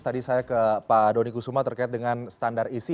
tadi saya ke pak doni kusuma terkait dengan standar isi